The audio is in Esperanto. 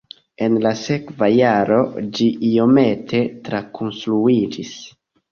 En la sekva jaro ĝi iomete trakonstruiĝis.